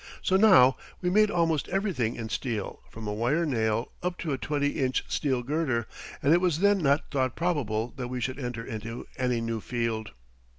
So now we made almost everything in steel from a wire nail up to a twenty inch steel girder, and it was then not thought probable that we should enter into any new field.